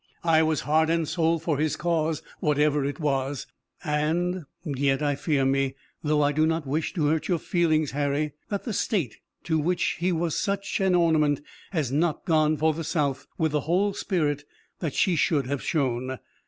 I was heart and soul for his cause, whatever it was, and, yet I fear me, though I do not wish to hurt your feelings, Harry, that the state to which he was such ornament, has not gone for the South with the whole spirit that she should have shown.